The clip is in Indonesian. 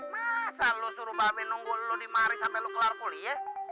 masa lo suruh mbak be nunggu lo di mari sampai lo kelar kuliah